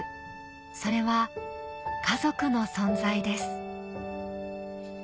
それは家族の存在です